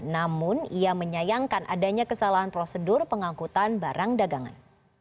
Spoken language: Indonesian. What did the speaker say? namun ia menyayangkan adanya kesalahan prosedur pengangkutan barang dagangan